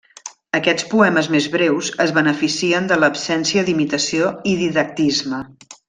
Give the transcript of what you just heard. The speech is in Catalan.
Aquests poemes més breus es beneficien de l'absència d'imitació i didactisme.